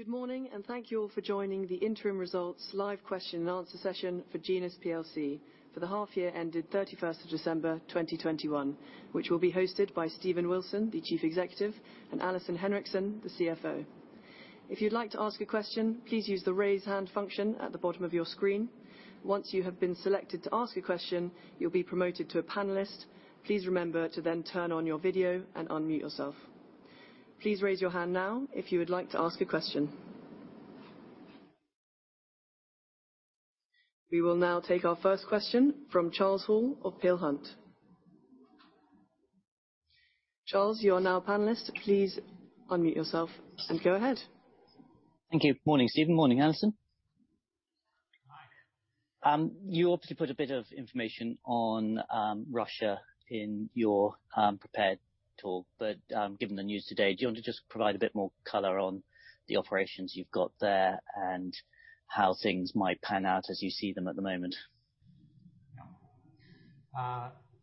Good morning, and thank you all for joining the interim results live question and answer session for Genus plc for the half year ended 31st of December, 2021, which will be hosted by Stephen Wilson, Chief Executive, and Alison Henriksen, CFO. If you'd like to ask a question, please use the Raise Hand function at the bottom of your screen. Once you have been selected to ask a question, you'll be promoted to a panelist. Please remember to then turn on your video and unmute yourself. Please raise your hand now if you would like to ask a question. We will now take our first question from Charles Hall of Peel Hunt. Charles, you are now a panelist. Please unmute yourself and go ahead. Thank you. Morning, Stephen. Morning, Alison. Hi. You obviously put a bit of information on Russia in your prepared talk, but given the news today, do you want to just provide a bit more color on the operations you've got there and how things might pan out as you see them at the moment?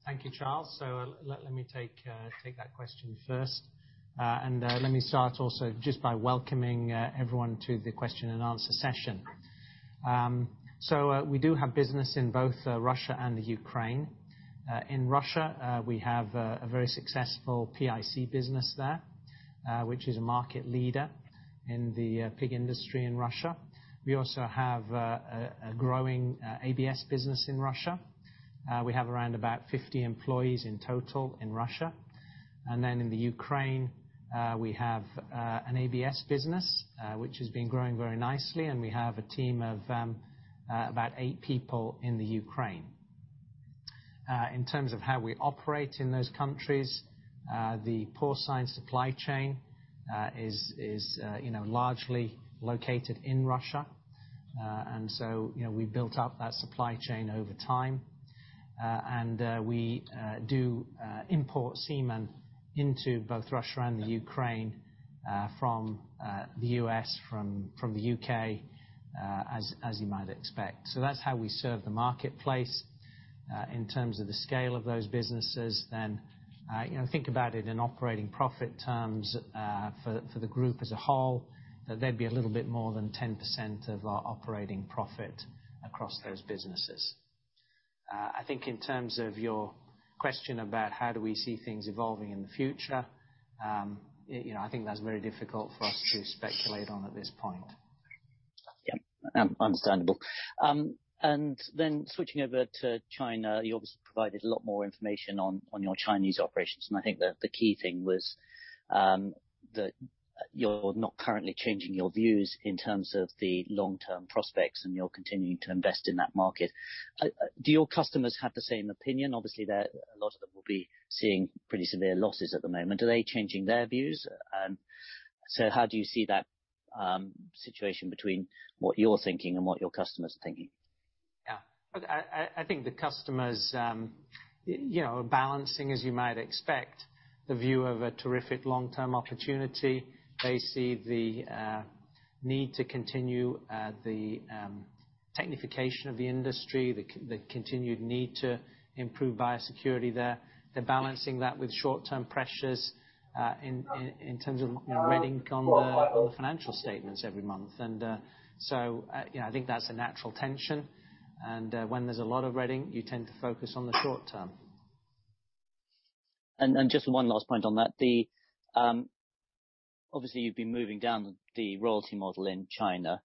Thank you, Charles. Let me take that question first. Let me start also just by welcoming everyone to the question and answer session. We do have business in both Russia and Ukraine. In Russia, we have a very successful PIC business there, which is a market leader in the pig industry in Russia. We also have a growing ABS business in Russia. We have around about 50 employees in total in Russia. In Ukraine, we have an ABS business, which has been growing very nicely, and we have a team of about eight people in Ukraine. In terms of how we operate in those countries, the porcine supply chain is, you know, largely located in Russia. You know, we built up that supply chain over time, and we do import semen into both Russia and the Ukraine from the U.S., from the U.K., as you might expect. That's how we serve the marketplace. In terms of the scale of those businesses, you know, think about it in operating profit terms, for the group as a whole, they'd be a little bit more than 10% of our operating profit across those businesses. I think in terms of your question about how do we see things evolving in the future, you know, I think that's very difficult for us to speculate on at this point. Yeah. Understandable. Switching over to China, you obviously provided a lot more information on your Chinese operations, and I think the key thing was that you're not currently changing your views in terms of the long-term prospects, and you're continuing to invest in that market. Do your customers have the same opinion? Obviously, there a lot of them will be seeing pretty severe losses at the moment. Are they changing their views? How do you see that situation between what you're thinking and what your customers are thinking? Yeah. I think the customers, you know, are balancing, as you might expect, the view of a terrific long-term opportunity. They see the need to continue the technification of the industry, the continued need to improve biosecurity there. They're balancing that with short-term pressures, in terms of, you know, red ink on the financial statements every month. So, you know, I think that's a natural tension. When there's a lot of red ink, you tend to focus on the short term. Obviously, you've been moving down the royalty model in China.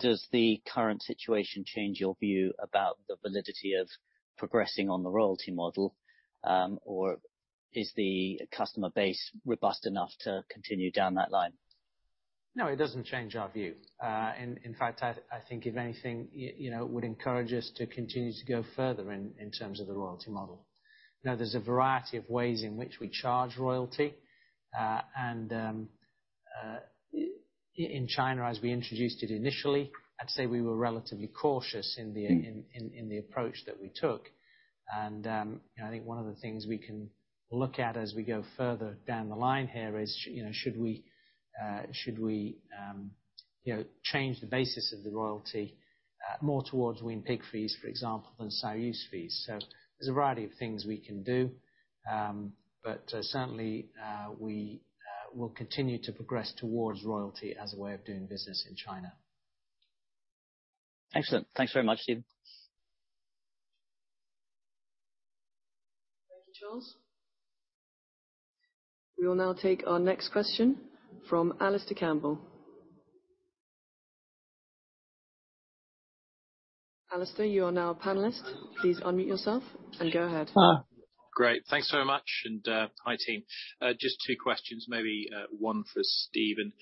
Does the current situation change your view about the validity of progressing on the royalty model, or is the customer base robust enough to continue down that line? No, it doesn't change our view. In fact, I think if anything, you know, it would encourage us to continue to go further in terms of the royalty model. Now, there's a variety of ways in which we charge royalty, and in China, as we introduced it initially, I'd say we were relatively cautious in the approach that we took. You know, I think one of the things we can look at as we go further down the line here is, you know, should we, you know, change the basis of the royalty, more towards wean pig fees, for example, than sow use fees. There's a variety of things we can do, but certainly, we will continue to progress towards royalty as a way of doing business in China. Excellent. Thanks very much, Stephen. Thank you, Charles. We will now take our next question from Alastair Campbell. Alastair, you are now a panelist. Please unmute yourself and go ahead. Great. Thanks so much, and hi, team. Just two questions, maybe, one for Stephen.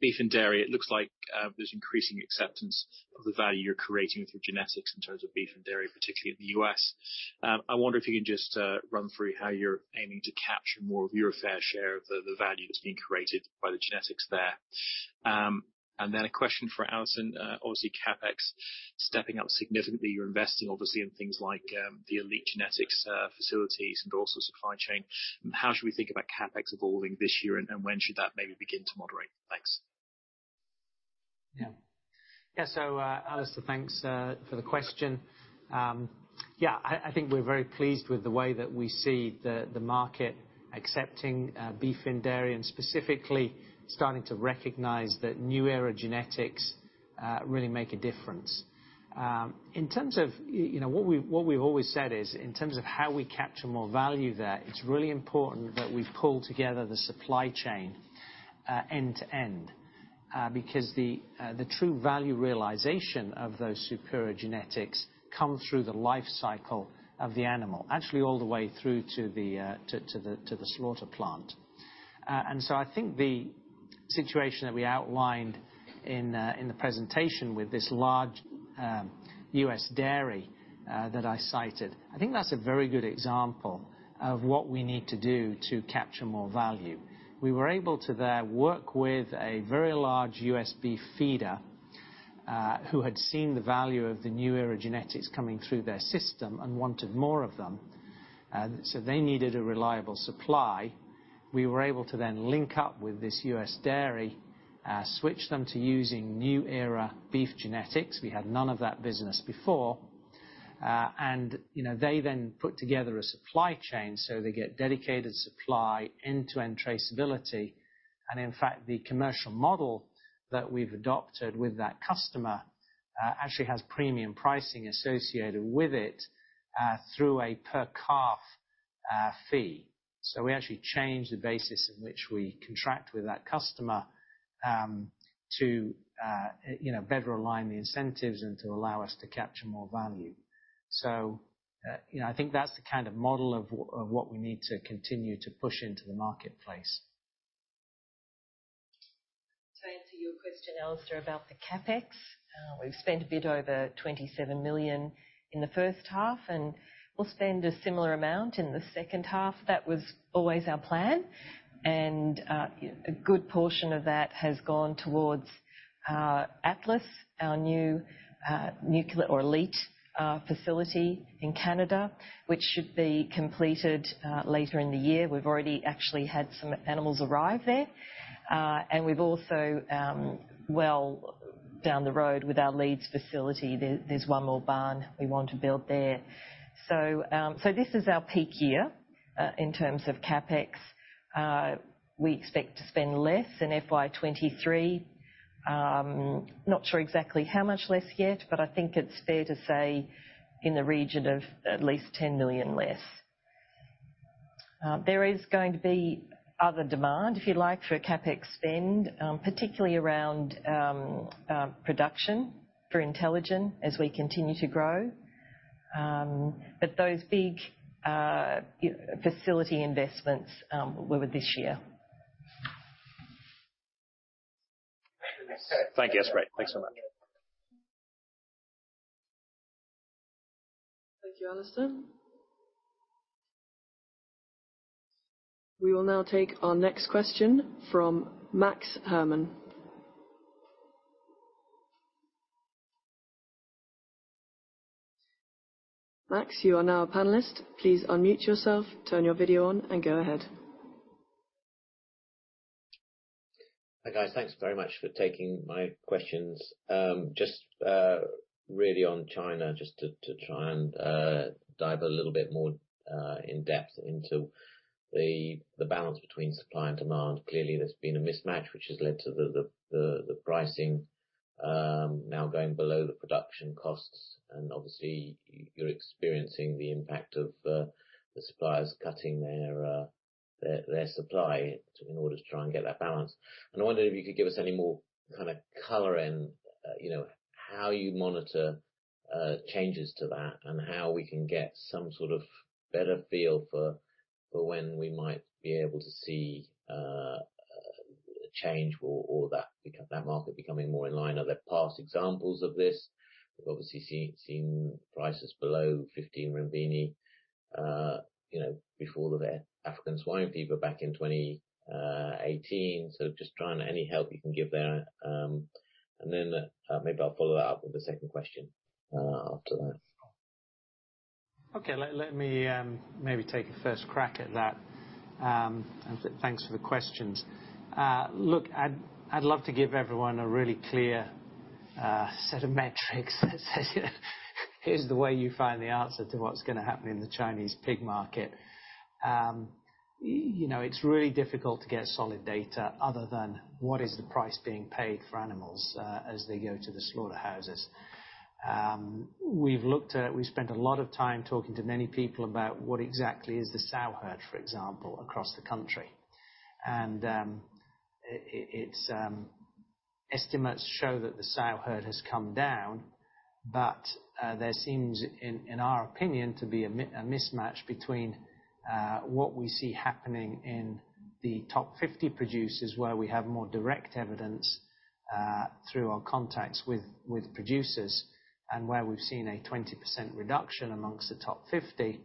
Beef and dairy, it looks like there's increasing acceptance of the value you're creating with your genetics in terms of beef and dairy, particularly in the U.S. I wonder if you can just run through how you're aiming to capture more of your fair share of the value that's being created by the genetics there. And then a question for Alison. Obviously, CapEx stepping up significantly. You're investing obviously in things like the elite genetics facilities and also supply chain. How should we think about CapEx evolving this year, and when should that maybe begin to moderate? Thanks. Yeah. Alistair, thanks for the question. Yeah, I think we're very pleased with the way that we see the market accepting beef and dairy, and specifically starting to recognize that NuEra Genetics really make a difference. In terms of, you know, what we've always said is, in terms of how we capture more value there, it's really important that we've pulled together the supply chain end to end. Because the true value realization of those superior genetics come through the life cycle of the animal, actually all the way through to the slaughter plant. I think the situation that we outlined in the presentation with this large U.S. dairy that I cited. I think that's a very good example of what we need to do to capture more value. We were able to there work with a very large U.S. beef feeder who had seen the value of the NuEra Genetics coming through their system and wanted more of them. They needed a reliable supply. We were able to then link up with this U.S. dairy switch them to using NuEra beef genetics. We had none of that business before. You know, they then put together a supply chain, so they get dedicated supply end-to-end traceability. In fact, the commercial model that we've adopted with that customer actually has premium pricing associated with it through a per calf fee. We actually change the basis in which we contract with that customer to you know better align the incentives and to allow us to capture more value. I think that's the kind of model of what we need to continue to push into the marketplace. To answer your question, Alistair, about the CapEx. We've spent a bit over 27 million in the first half, and we'll spend a similar amount in the second half. That was always our plan. A good portion of that has gone towards Atlas, our new nucleus or elite facility in Canada, which should be completed later in the year. We've already actually had some animals arrive there. We've also well down the road with our Leeds facility. There, there's one more barn we want to build there. This is our peak year in terms of CapEx. We expect to spend less in FY 2023. Not sure exactly how much less yet, but I think it's fair to say in the region of at least 10 million less. There is going to be other demand, if you like, for CapEx spend, particularly around production for IntelliGen as we continue to grow. Those big AI-facility investments were within this year. Thank you, Miss. Thank you. That's great. Thanks so much. Thank you, Alistair. We will now take our next question from Max Herman. Max, you are now a panelist. Please unmute yourself, turn your video on, and go ahead. Hi, guys. Thanks very much for taking my questions. Just really on China, just to try and dive a little bit more in depth into the balance between supply and demand. Clearly, there's been a mismatch, which has led to the pricing now going below the production costs. You're experiencing the impact of the suppliers cutting their supply in order to try and get that balance. I wonder if you could give us any more kind of color in you know, how you monitor changes to that and how we can get some sort of better feel for when we might be able to see a change or that market becoming more in line. Are there past examples of this? We've obviously seen prices below 15 renminbi, you know, before the African swine fever back in 2018. Just trying any help you can give there. Maybe I'll follow up with a second question after that. Okay. Let me maybe take a first crack at that. Thanks for the questions. Look, I'd love to give everyone a really clear set of metrics that says, you know, here's the way you find the answer to what's gonna happen in the Chinese pig market. You know, it's really difficult to get solid data other than what is the price being paid for animals as they go to the slaughterhouses. We've spent a lot of time talking to many people about what exactly is the sow herd, for example, across the country. Estimates show that the sow herd has come down, but there seems in our opinion to be a mismatch between what we see happening in the top 50 producers, where we have more direct evidence through our contacts with producers and where we've seen a 20% reduction among the top 50,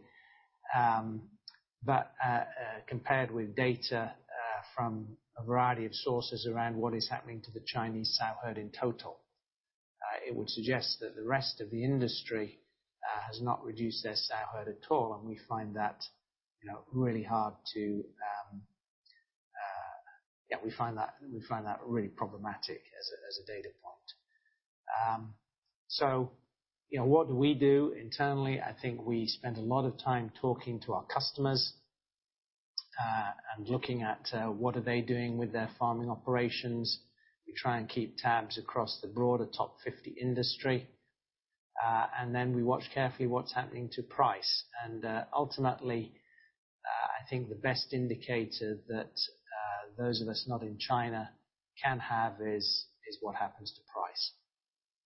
compared with data from a variety of sources around what is happening to the Chinese sow herd in total. It would suggest that the rest of the industry has not reduced their sow herd at all, and we find that, you know, really problematic as a data point. You know, what do we do internally? I think we spend a lot of time talking to our customers, and looking at, what are they doing with their farming operations. We try and keep tabs across the broader top 50 industry. We watch carefully what's happening to price. Ultimately, I think the best indicator that those of us not in China can have is what happens to price.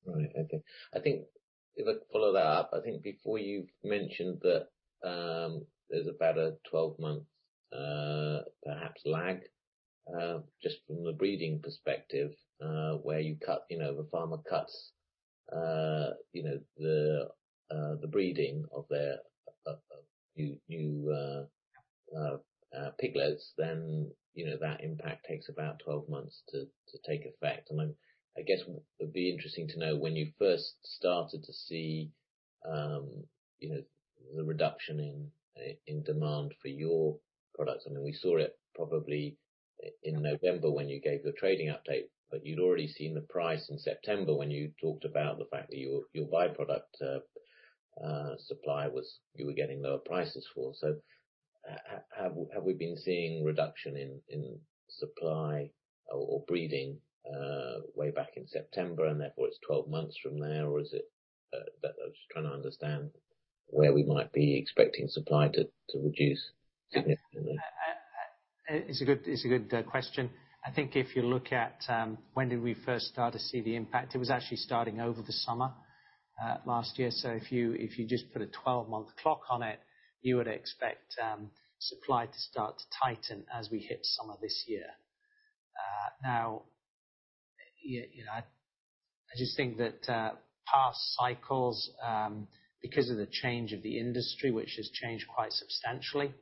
Right. Okay. I think if I could follow that up, I think before you've mentioned that, there's about a 12-month, perhaps lag, just from the breeding perspective, where you cut, you know, the farmer cuts, you know, the breeding of their, of new piglets, then, you know, that impact takes about 12 months to take effect. I guess it would be interesting to know when you first started to see, you know, the reduction in demand for your products. I mean, we saw it probably in November when you gave the trading update, but you'd already seen the price in September when you talked about the fact that your by-product supply was. You were getting lower prices for. Have we been seeing reduction in supply or breeding way back in September, and therefore it's 12 months from there? Or is it? I'm just trying to understand where we might be expecting supply to reduce significantly. It's a good question. I think if you look at when did we first start to see the impact, it was actually starting over the summer last year. If you just put a 12-month clock on it, you would expect supply to start to tighten as we hit summer this year. Now, you know, I just think that past cycles because of the change of the industry, which has changed quite substantially,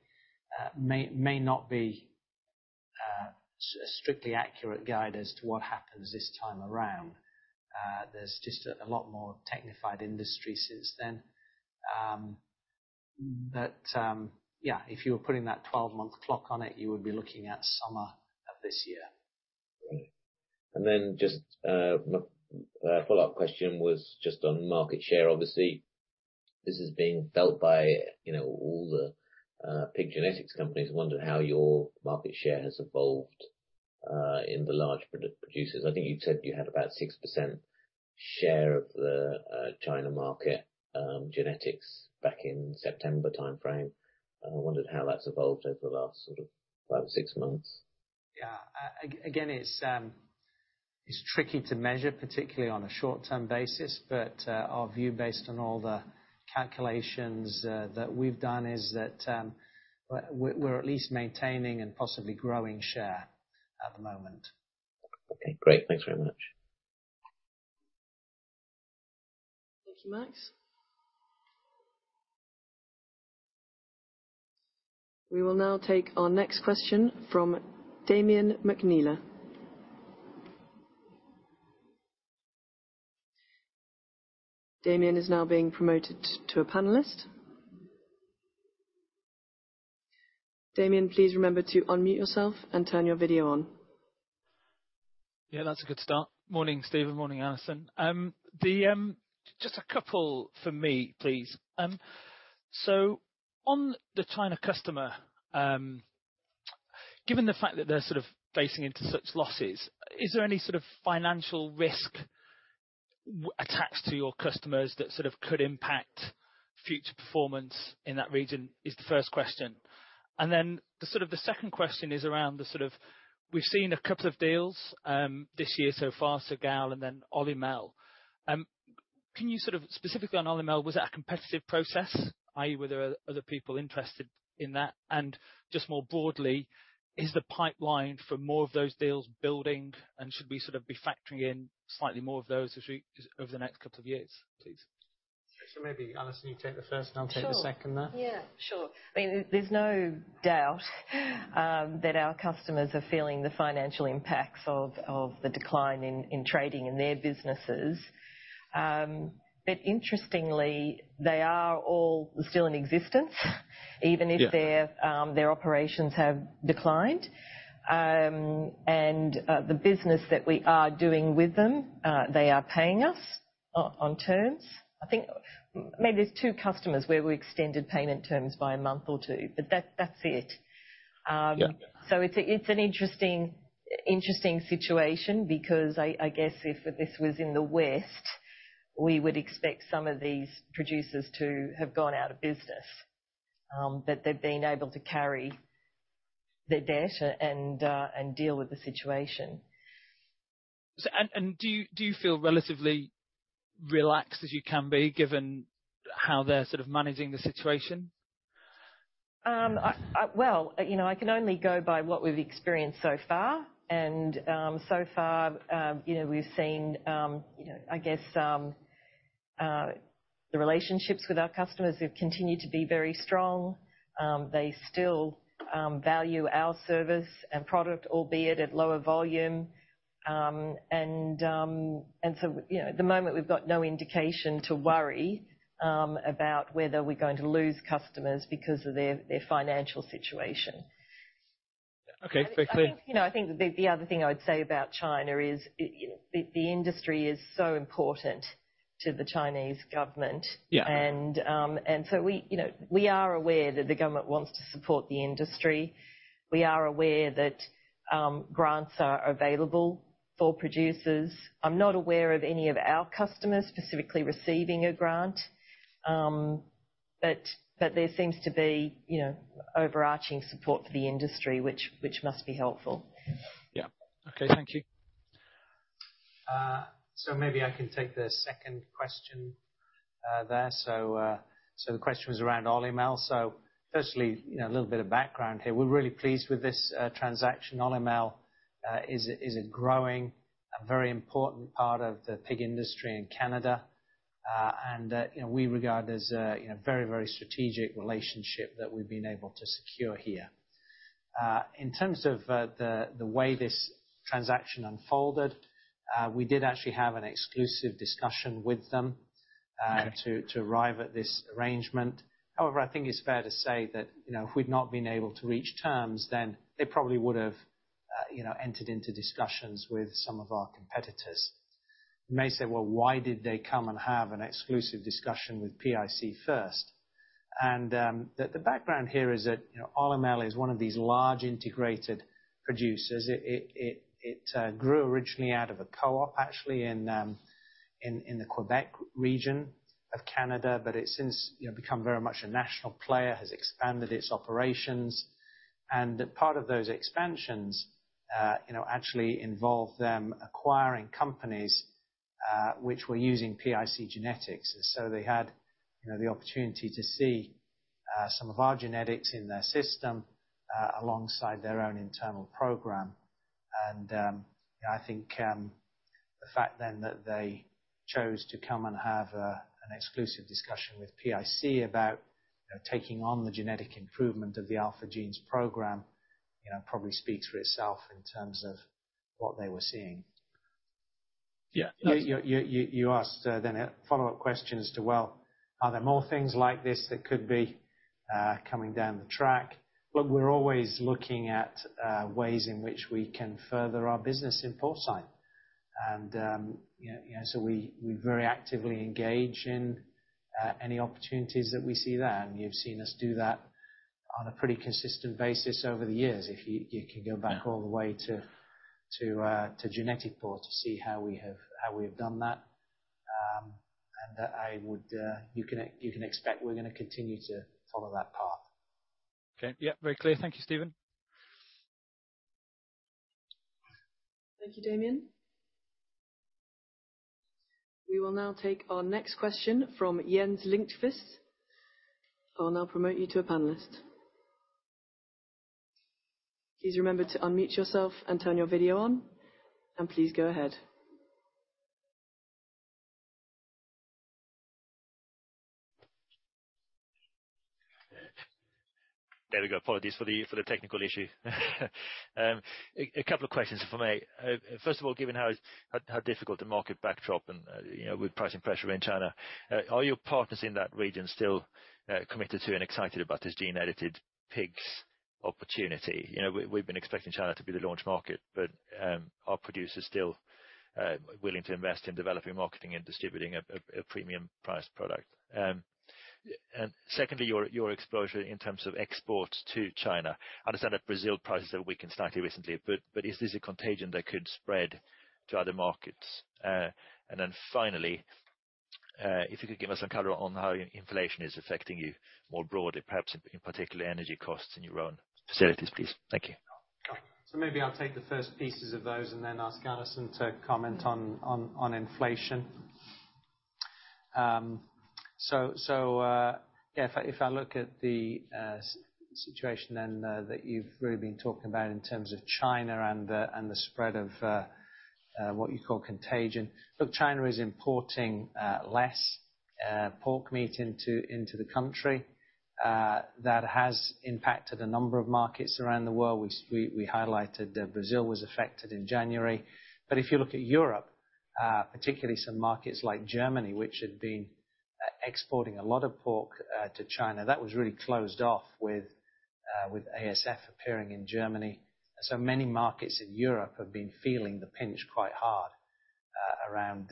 may not be a strictly accurate guide as to what happens this time around. There's just a lot more technified industry since then. Yeah, if you were putting that 12-month clock on it, you would be looking at summer of this year. Right. Just my follow-up question was just on market share. Obviously, this is being felt by, you know, all the pig genetics companies. I wondered how your market share has evolved in the large producers. I think you said you had about 6% share of the China market genetics back in September timeframe. I wondered how that's evolved over the last sort of five, six months. Yeah. Again, it's tricky to measure, particularly on a short-term basis, but our view based on all the calculations that we've done is that we're at least maintaining and possibly growing share at the moment. Okay, great. Thanks very much. Thank you, Max. We will now take our next question from Damian McNeela. Damian is now being promoted to a panelist. Damian, please remember to unmute yourself and turn your video on. Yeah, that's a good start. Morning, Stephen. Morning, Alison. DM, just a couple from me, please. So on the China customer, given the fact that they're sort of facing into such losses, is there any sort of financial risk attached to your customers that sort of could impact future performance in that region? That's the first question. The second question is around sort of we've seen a couple of deals this year so far, Sergal and then Olymel. Specifically on Olymel, was that a competitive process? I.e., were there other people interested in that? Just more broadly, is the pipeline for more of those deals building, and should we sort of be factoring in slightly more of those as we over the next couple of years, please? Maybe, Alison, you take the first Sure. I'll take the second then. Yeah, sure. I mean, there's no doubt that our customers are feeling the financial impacts of the decline in trading in their businesses. Interestingly, they are all still in existence, even if their- Yeah. Their operations have declined. The business that we are doing with them, they are paying us on terms. I think maybe it's two customers where we extended payment terms by a month or two, but that's it. Yeah. It's an interesting situation because I guess if this was in the West, we would expect some of these producers to have gone out of business. But they've been able to carry their debt and deal with the situation. Do you feel relatively relaxed as you can be, given how they're sort of managing the situation? Well, you know, I can only go by what we've experienced so far and so far, you know, we've seen, you know, I guess. The relationships with our customers have continued to be very strong. They still value our service and product, albeit at lower volume. You know, at the moment, we've got no indication to worry about whether we're going to lose customers because of their financial situation. Okay. Very clear. I think, you know, I think the other thing I would say about China is the industry is so important to the Chinese government. Yeah. We, you know, we are aware that the government wants to support the industry. We are aware that grants are available for producers. I'm not aware of any of our customers specifically receiving a grant. There seems to be, you know, overarching support for the industry which must be helpful. Yeah. Okay. Thank you. Maybe I can take the second question there. The question was around Olymel. Firstly, you know, a little bit of background here. We're really pleased with this transaction. Olymel is a growing, a very important part of the pig industry in Canada. You know, we regard as a, you know, very strategic relationship that we've been able to secure here. In terms of the way this transaction unfolded, we did actually have an exclusive discussion with them. Okay To arrive at this arrangement. However, I think it's fair to say that, you know, if we'd not been able to reach terms, then they probably would've, you know, entered into discussions with some of our competitors. You may say, "Well, why did they come and have an exclusive discussion with PIC first?" The background here is that, you know, Olymel is one of these large integrated producers. It grew originally out of a co-op, actually, in the Quebec region of Canada, but it's since, you know, become very much a national player, has expanded its operations. Part of those expansions, you know, actually involved them acquiring companies, which were using PIC genetics. They had, you know, the opportunity to see some of our genetics in their system alongside their own internal program. You know, I think the fact then that they chose to come and have an exclusive discussion with PIC about, you know, taking on the genetic improvement of the AlphaGenes program, you know, probably speaks for itself in terms of what they were seeing. Yeah. You asked then a follow-up question as to, well, are there more things like this that could be coming down the track? Look, we're always looking at ways in which we can further our business in foresight. You know, so we very actively engage in any opportunities that we see there, and you've seen us do that on a pretty consistent basis over the years if you can go back all the way to Genetiporc to see how we have done that. You can expect we're gonna continue to follow that path. Okay. Yeah. Very clear. Thank you, Stephen. Thank you, Damian. We will now take our next question from Jens Lindqvist. I will now promote you to a panelist. Please remember to unmute yourself and turn your video on, and please go ahead. There we go. Apologies for the technical issue. A couple of questions if I may. First of all, given how difficult the market backdrop and, you know, with pricing pressure in China, are your partners in that region still committed to and excited about this gene-edited pigs opportunity? You know, we've been expecting China to be the launch market, but are producers still willing to invest in developing, marketing, and distributing a premium priced product? Secondly, your exposure in terms of exports to China. I understand that Brazil prices have weakened slightly recently, but is this a contagion that could spread to other markets? Finally, if you could give us some color on how inflation is affecting you more broadly, perhaps in particular energy costs in your own facilities, please. Thank you. Maybe I'll take the first pieces of those and then ask Alison to comment on inflation. If I look at the situation then that you've really been talking about in terms of China and the spread of what you call contagion. Look, China is importing less pork meat into the country. That has impacted a number of markets around the world. We highlighted that Brazil was affected in January. If you look at Europe, particularly some markets like Germany, which had been exporting a lot of pork to China, that was really closed off with ASF appearing in Germany. Many markets in Europe have been feeling the pinch quite hard around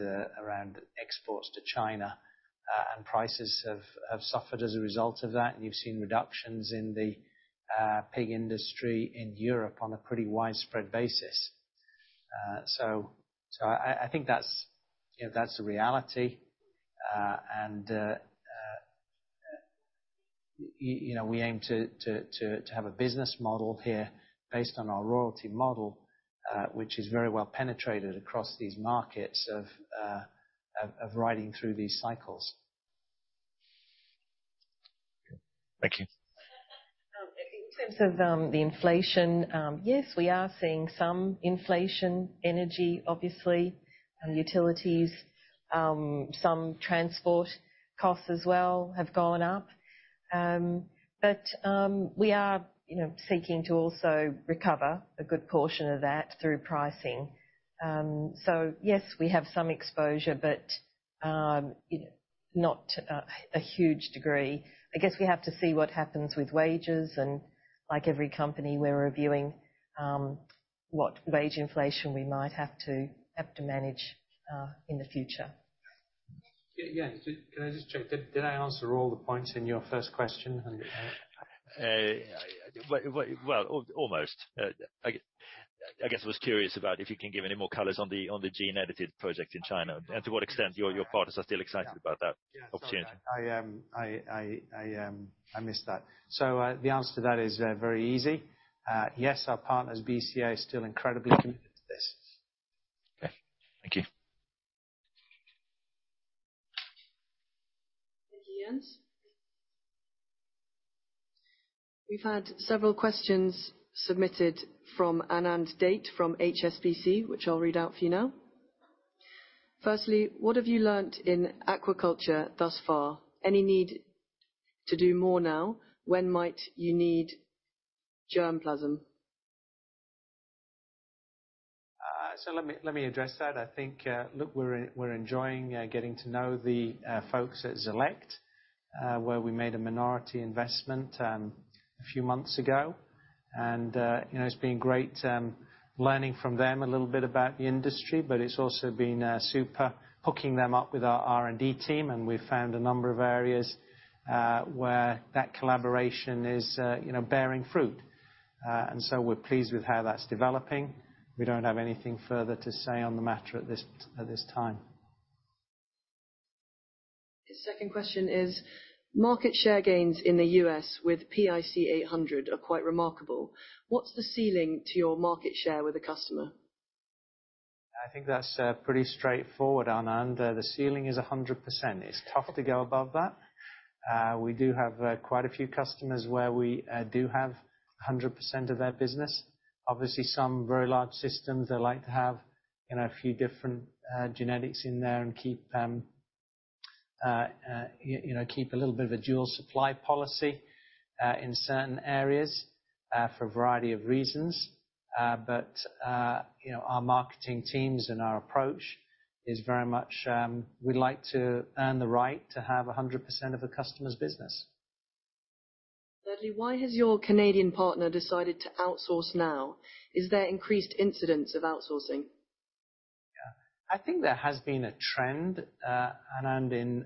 exports to China, and prices have suffered as a result of that. You've seen reductions in the pig industry in Europe on a pretty widespread basis. I think that's, you know, that's the reality. You know, we aim to have a business model here based on our royalty model, which is very well penetrated across these markets of riding through these cycles. Thank you. In terms of the inflation, yes, we are seeing some inflation in energy, obviously, utilities, some transport costs as well have gone up. We are, you know, seeking to also recover a good portion of that through pricing. Yes, we have some exposure, but not a huge degree. I guess we have to see what happens with wages, and like every company, we're reviewing what wage inflation we might have to manage in the future. Yeah. Can I just check, did I answer all the points in your first question? Well, almost. I guess I was curious about if you can give any more colors on the gene-edited project in China, and to what extent your partners are still excited about that opportunity. Sorry. I missed that. The answer to that is very easy. Yes, our partner BCA is still incredibly committed to this. Okay. Thank you. Thank you, Jens. We've had several questions submitted from Anand Date from HSBC, which I'll read out for you now. First, what have you learned in aquaculture thus far? Any need to do more now? When might you need germ plasm? Let me address that. I think we're enjoying getting to know the folks at Xelect, where we made a minority investment a few months ago. You know, it's been great learning from them a little bit about the industry. It's also been super hooking them up with our R&D team, and we found a number of areas where that collaboration is you know, bearing fruit. We're pleased with how that's developing. We don't have anything further to say on the matter at this time. The second question is, market share gains in the U.S. with PIC800 are quite remarkable. What's the ceiling to your market share with the customer? I think that's pretty straightforward, Anand. The ceiling is 100%. It's tough to go above that. We do have quite a few customers where we do have 100% of their business. Obviously, some very large systems, they like to have, you know, a few different genetics in there and keep you know, keep a little bit of a dual supply policy in certain areas for a variety of reasons. But you know, our marketing teams and our approach is very much, we like to earn the right to have 100% of a customer's business. Thirdly, why has your Canadian partner decided to outsource now? Is there increased incidents of outsourcing? Yeah. I think there has been a trend, Anand,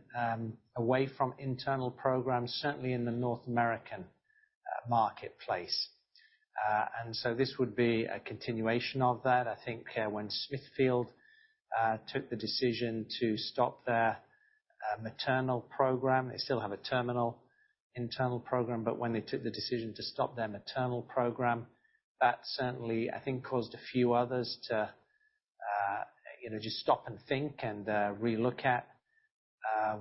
away from internal programs, certainly in the North American marketplace. This would be a continuation of that. I think, when Smithfield took the decision to stop their maternal program, they still have a terminal internal program, but when they took the decision to stop their maternal program, that certainly, I think, caused a few others to you know just stop and think and re-look at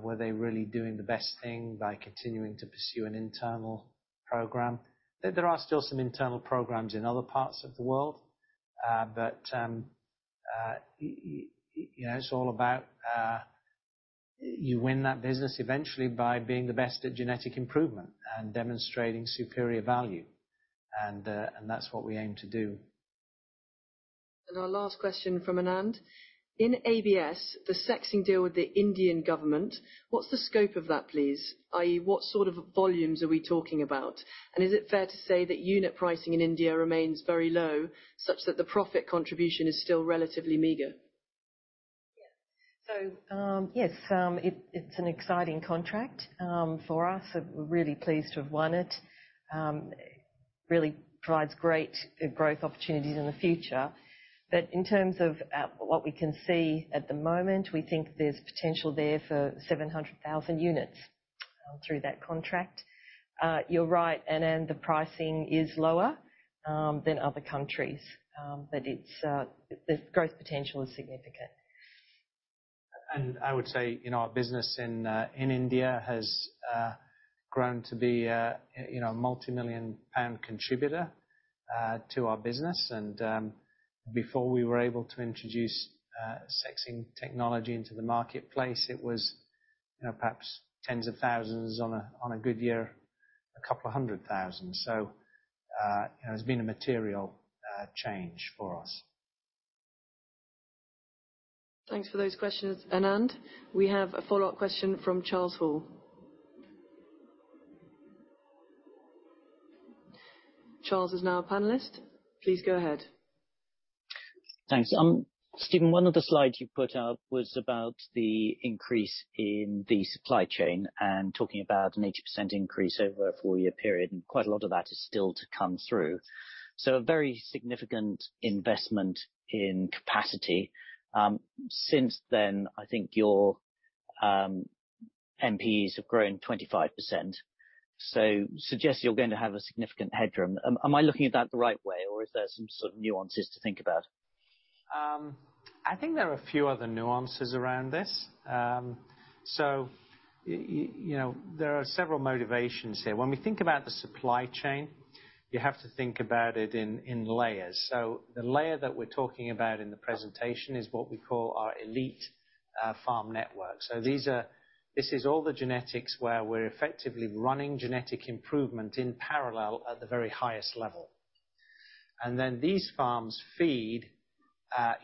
whether they really doing the best thing by continuing to pursue an internal program. There are still some internal programs in other parts of the world, but you know it's all about you win that business eventually by being the best at genetic improvement and demonstrating superior value. That's what we aim to do. Our last question from Anand: In ABS, the sexing deal with the Indian government, what's the scope of that, please? I.e., what sort of volumes are we talking about? And is it fair to say that unit pricing in India remains very low, such that the profit contribution is still relatively meager? Yeah. Yes, it's an exciting contract for us. We're really pleased to have won it. It really provides great growth opportunities in the future. But in terms of what we can see at the moment, we think there's potential there for 700,000 units through that contract. You're right, Anand, the pricing is lower than other countries. But the growth potential is significant. I would say, you know, our business in India has grown to be, you know, a multimillion-pound contributor to our business. Before we were able to introduce sexing technology into the marketplace, it was, you know, perhaps tens of thousands in a good year, a couple of hundred thousand. It's been a material change for us. Thanks for those questions, Anand. We have a follow-up question from Charles Hall. Charles is now a panelist. Please go ahead. Thanks. Stephen, one of the slides you put up was about the increase in the supply chain and talking about an 80% increase over a four-year period, and quite a lot of that is still to come through. A very significant investment in capacity. Since then, I think your MPs have grown 25%. Suggest you're going to have a significant headroom. Am I looking at that the right way, or is there some sort of nuances to think about? I think there are a few other nuances around this. You know, there are several motivations here. When we think about the supply chain, you have to think about it in layers. The layer that we're talking about in the presentation is what we call our elite farm network. This is all the genetics where we're effectively running genetic improvement in parallel at the very highest level. Then these farms feed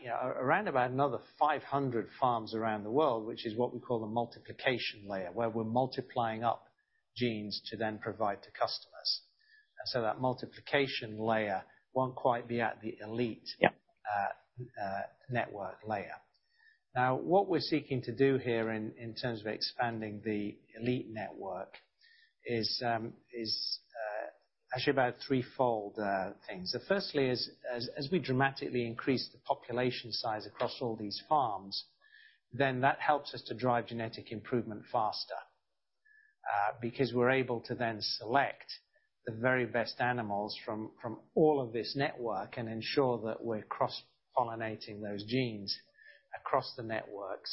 you know, around about another 500 farms around the world, which is what we call the multiplication layer, where we're multiplying up genes to then provide to customers. That multiplication layer won't quite be at the elite- Yep. Network layer. Now, what we're seeking to do here in terms of expanding the elite network is actually about threefold things. Firstly, as we dramatically increase the population size across all these farms, then that helps us to drive genetic improvement faster, because we're able to then select the very best animals from all of this network and ensure that we're cross-pollinating those genes across the network.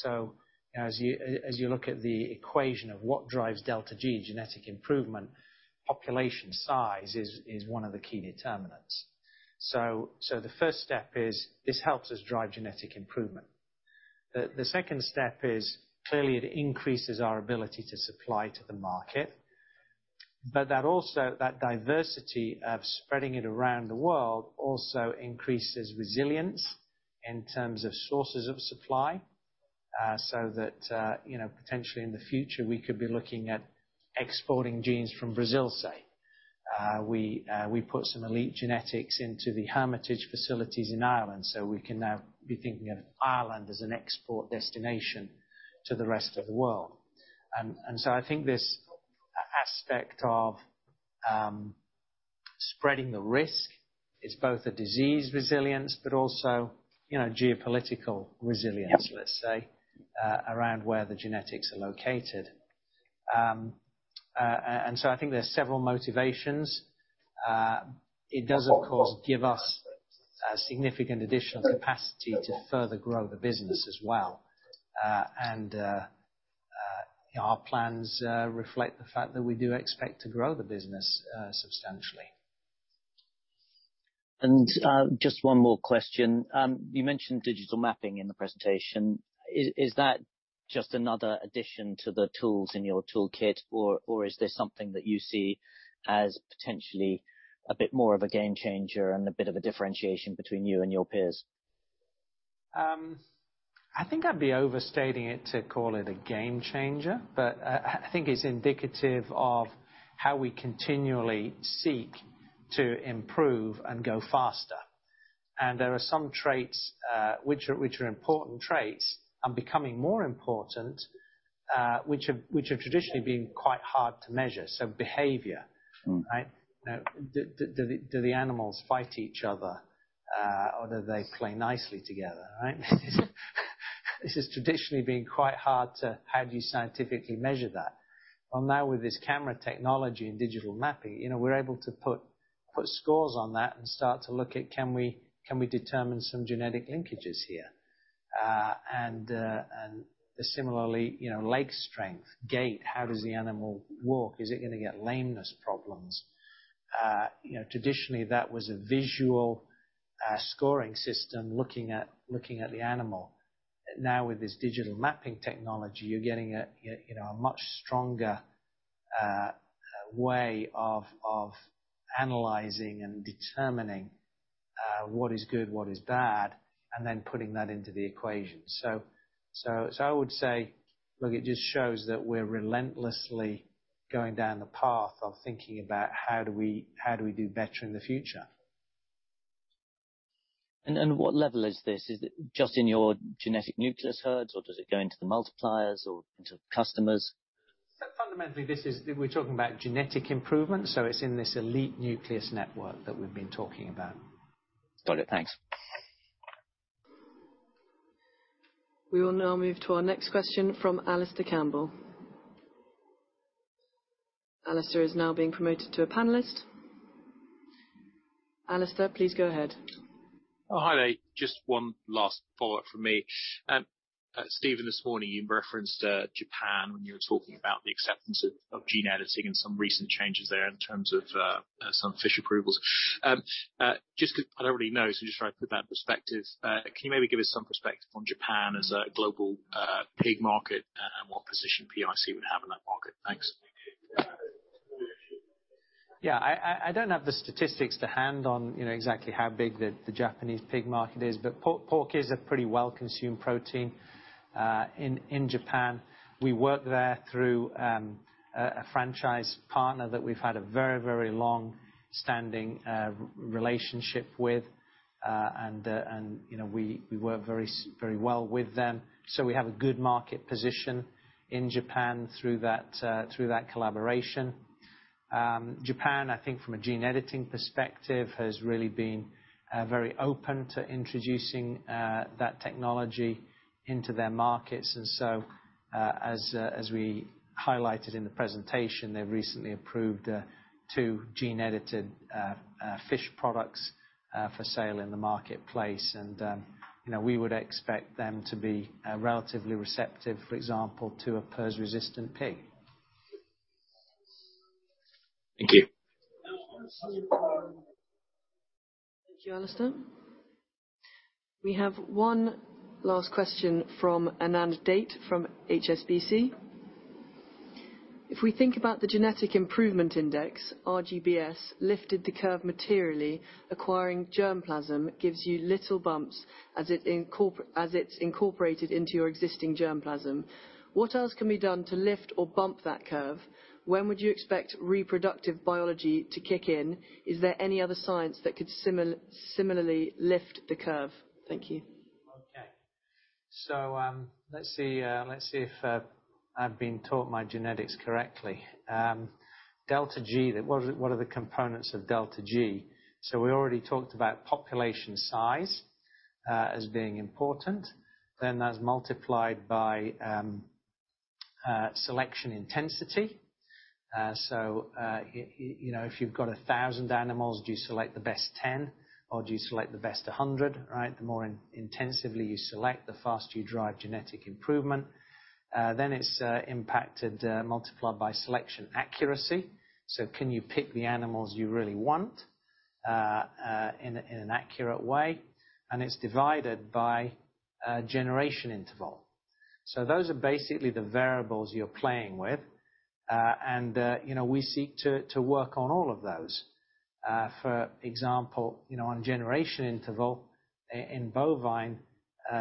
As you look at the equation of what drives delta G genetic improvement, population size is one of the key determinants. The first step is this helps us drive genetic improvement. The second step is clearly it increases our ability to supply to the market, but that diversity of spreading it around the world also increases resilience in terms of sources of supply, so that you know, potentially in the future, we could be looking at exporting genes from Brazil, say. We put some elite genetics into the Hermitage facilities in Ireland, so we can now be thinking of Ireland as an export destination to the rest of the world. I think this aspect of spreading the risk is both a disease resilience, but also you know, geopolitical resilience. Yep. Let's say around where the genetics are located. I think there are several motivations. It does, of course, give us significant additional capacity to further grow the business as well. Our plans reflect the fact that we do expect to grow the business substantially. Just one more question. You mentioned digital mapping in the presentation. Is that just another addition to the tools in your toolkit, or is this something that you see as potentially a bit more of a game changer and a bit of a differentiation between you and your peers? I think I'd be overstating it to call it a game changer, but I think it's indicative of how we continually seek to improve and go faster. There are some traits which are important traits and becoming more important, which have traditionally been quite hard to measure. Behavior. Mm-hmm. Right? Now, do the animals fight each other, or do they play nicely together, right? This has traditionally been quite hard. How do you scientifically measure that? Well, now with this camera technology and digital mapping, you know, we're able to put scores on that and start to look at can we determine some genetic linkages here? Similarly, you know, leg strength, gait, how does the animal walk? Is it gonna get lameness problems? You know, traditionally, that was a visual scoring system looking at the animal. Now, with this digital mapping technology, you're getting, you know, a much stronger way of analyzing and determining what is good, what is bad, and then putting that into the equation. I would say, look, it just shows that we're relentlessly going down the path of thinking about how do we do better in the future. What level is this? Is it just in your genetic nucleus herds, or does it go into the multipliers or into customers? Fundamentally, we're talking about genetic improvement, so it's in this elite nucleus network that we've been talking about. Got it. Thanks. We will now move to our next question from Alastair Campbell. Alastair is now being promoted to a panelist. Alastair, please go ahead. Oh, hi there. Just one last follow-up from me. Stephen, this morning you referenced Japan when you were talking about the acceptance of gene editing and some recent changes there in terms of some fish approvals. Just 'cause I don't really know, so just try to put that in perspective. Can you maybe give us some perspective on Japan as a global pig market and what position PIC would have in that market? Thanks. Yeah. I don't have the statistics to hand on, you know, exactly how big the Japanese pig market is, but pork is a pretty well-consumed protein in Japan. We work there through a franchise partner that we've had a very long-standing relationship with, and, you know, we work very well with them, so we have a good market position in Japan through that collaboration. Japan, I think from a gene editing perspective, has really been very open to introducing that technology into their markets. As we highlighted in the presentation, they've recently approved two gene-edited fish products for sale in the marketplace. You know, we would expect them to be relatively receptive, for example, to a PRRS-resistant pig. Thank you. Thank you, Alistair. We have one last question from Anand Date from HSBC. If we think about the genetic improvement index, RBGS lifted the curve materially. Acquiring germ plasm gives you little bumps as it's incorporated into your existing germ plasm. What else can be done to lift or bump that curve? When would you expect reproductive biology to kick in? Is there any other science that could similarly lift the curve? Thank you. Okay, let's see if I've been taught my genetics correctly. Delta G, what are the components of delta G? We already talked about population size as being important, then that's multiplied by selection intensity. You know, if you've got 1,000 animals, do you select the best 10 or do you select the best 100, right? The more intensively you select, the faster you drive genetic improvement. It's impacted multiplied by selection accuracy. Can you pick the animals you really want in an accurate way? It's divided by generation interval. Those are basically the variables you're playing with. You know, we seek to work on all of those. For example, you know, on generation interval in bovine,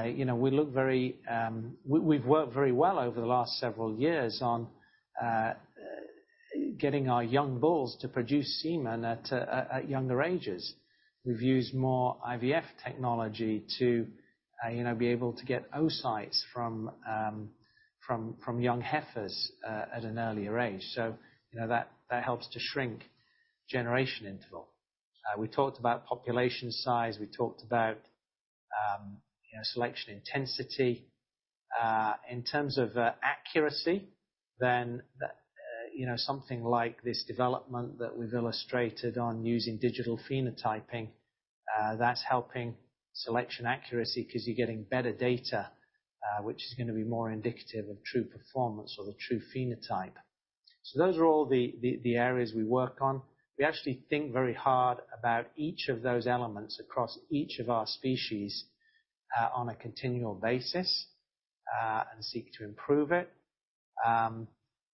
you know, we look very. We've worked very well over the last several years on getting our young bulls to produce semen at younger ages. We've used more IVF technology to, you know, be able to get oocytes from young heifers at an earlier age. You know, that helps to shrink generation interval. We talked about population size, we talked about, you know, selection intensity. In terms of accuracy, then, you know, something like this development that we've illustrated on using digital phenotyping, that's helping selection accuracy 'cause you're getting better data, which is gonna be more indicative of true performance or the true phenotype. Those are all the areas we work on. We actually think very hard about each of those elements across each of our species, on a continual basis, and seek to improve it.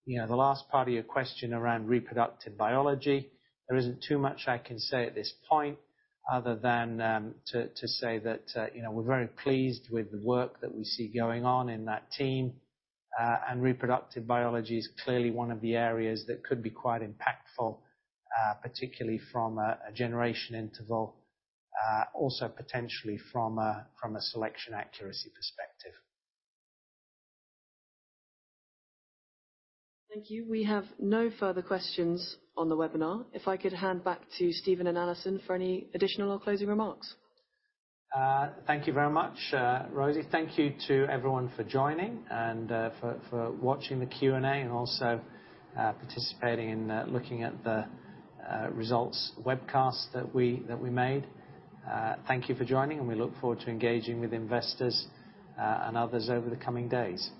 You know, the last part of your question around reproductive biology, there isn't too much I can say at this point other than to say that, you know, we're very pleased with the work that we see going on in that team. Reproductive biology is clearly one of the areas that could be quite impactful, particularly from a generation interval, also potentially from a selection accuracy perspective. Thank you. We have no further questions on the webinar. If I could hand back to Stephen and Alison for any additional or closing remarks. Thank you very much, Rosie. Thank you to everyone for joining and for watching the Q&A and also participating in looking at the results webcast that we made. Thank you for joining, and we look forward to engaging with investors and others over the coming days.